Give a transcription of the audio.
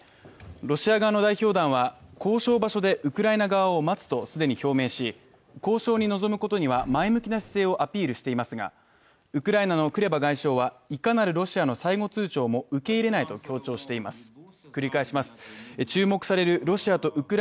ロシア側の代表団は、交渉場所でウクライナ側を待つと既に表明し交渉に臨むことには前向きな姿勢をアピールしていますが、ウクライナのクレバ外相はいかなるロシアの最後通牒も受け入れないと強調しています。